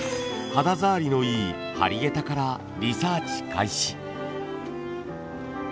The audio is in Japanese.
肌触りのいい張下駄からリサーチ開始。